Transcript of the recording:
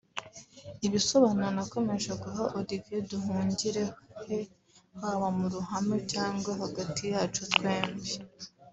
Ibisobanuro nakomeje guha Olivier Nduhungirehe haba mu ruhame cyangwa hagati yacu twembi